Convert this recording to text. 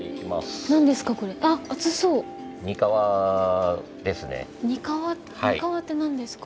何ですか？